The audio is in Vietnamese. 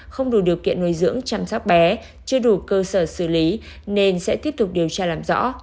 không đủ điều kiện nuôi dưỡng chăm sóc bé chưa đủ cơ sở xử lý nên sẽ tiếp tục điều tra làm rõ